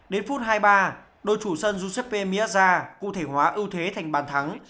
đến phút hai mươi ba đội chủ sân giuseppe miaza cụ thể hóa ưu thế thành bàn thắng